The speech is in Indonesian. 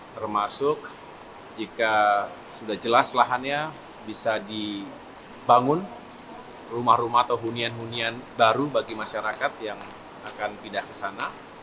termasuk jika sudah jelas lahannya bisa dibangun rumah rumah atau hunian hunian baru bagi masyarakat yang akan pindah ke sana